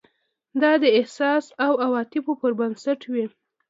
دا د احساس او عواطفو پر بنسټ وي.